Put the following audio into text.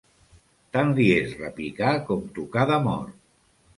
Tant li és repicar com tocar de mort.